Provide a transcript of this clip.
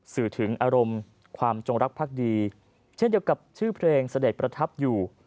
สื่อถึงอารมณ์ความจงรักภักดีเช่นเดียวกับชื่อเพลงเสด็จประทับอยู่